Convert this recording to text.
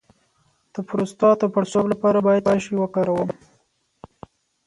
د پروستات د پړسوب لپاره باید څه شی وکاروم؟